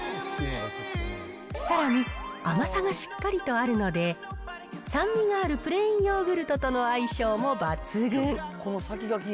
さらに甘さがしっかりとあるので、酸味があるプレーンヨーグルトとの相性も抜群。